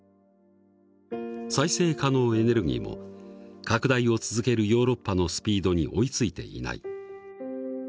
再生可能エネルギーも拡大を続けるヨーロッパのスピードに追いついていない。